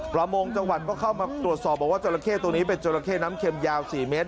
ประมงจังหวัดก็เข้ามาตรวจสอบบอกว่าจราเข้ตัวนี้เป็นจราเข้น้ำเข็มยาว๔เมตร